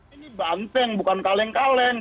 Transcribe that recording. ini banteng bukan kaleng kaleng